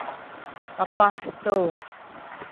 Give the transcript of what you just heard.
kapah tu